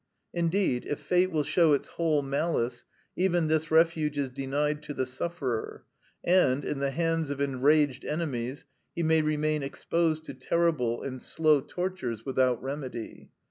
Indeed, if fate will show its whole malice, even this refuge is denied to the sufferer, and, in the hands of enraged enemies, he may remain exposed to terrible and slow tortures without remedy.